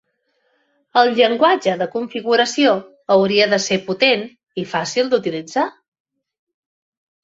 El llenguatge de configuració hauria de ser potent i fàcil d'utilitzar.